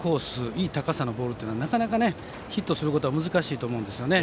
いい高さのボールというのはなかなかヒットにすることは難しいと思うんですね。